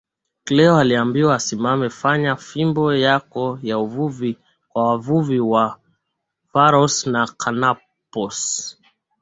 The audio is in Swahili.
Cleo aliambiwa asimame fanya fimbo yako ya uvuvi kwa wavuvi wa Pharos na Canopus